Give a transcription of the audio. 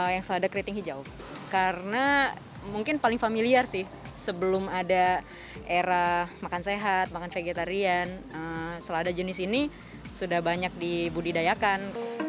yang selada keriting hijau karena mungkin paling familiar sih sebelum ada era makan sehat makan vegetarian selada jenis ini sudah banyak dibudidayakan